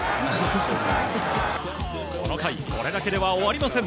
この回これだけでは終わりません。